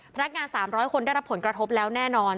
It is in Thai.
พนักงาน๓๐๐คนได้รับผลกระทบแล้วแน่นอน